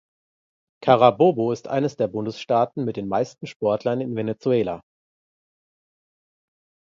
Carabobo ist eines der Bundesstaaten mit den meisten Sportlern in Venezuela.